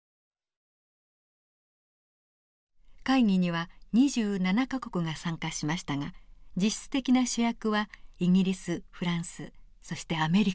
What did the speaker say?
会議には２７か国が参加しましたが実質的な主役はイギリスフランスそしてアメリカでした。